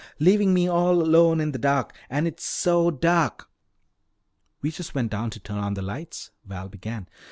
"Leaving me all alone in the dark! And it's so dark!" "We just went down to turn on the lights," Val began.